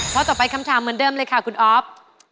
ข้อต่อไปคำถามเหมือนเดิมเลยค่ะคุณอ๊อฟ